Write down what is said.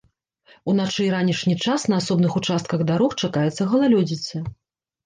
У начны і ранішні час на асобных участках дарог чакаецца галалёдзіца.